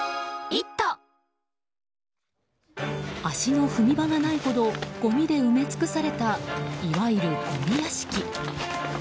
足の踏み場がないほどごみで埋め尽くされたいわゆるごみ屋敷。